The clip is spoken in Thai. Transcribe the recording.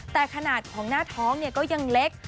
แต่ขนาดของหน้าท้องก็ยังเล็ก